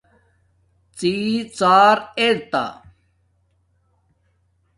ڎی ڎار ارتا